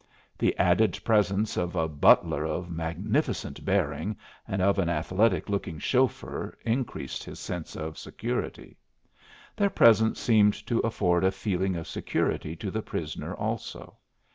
The added presence of a butler of magnificent bearing and of an athletic looking chauffeur increased his sense of security. Their presence seemed to afford a feeling of security to the prisoner also.